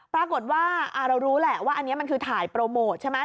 ปรากฏว่าเรารู้แหละว่าอันนี้มันคือถ่ายโปรโมทใช่ไหม